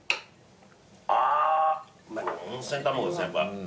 あ温泉玉子ですねやっぱ。